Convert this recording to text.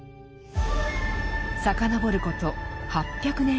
遡ること８００年以上前。